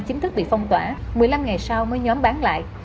chính thức bị phong tỏa một mươi năm ngày sau mới nhóm bán lại